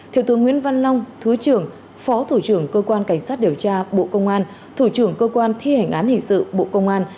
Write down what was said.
thiếu tướng nguyễn văn long thứ trưởng phó thủ trưởng cơ quan cảnh sát điều tra bộ công an thủ trưởng cơ quan thi hành án hình sự bộ công an